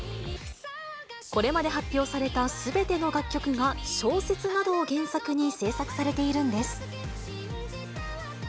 これまで発表されたすべての楽曲が、小説などを原作に制作されているんです。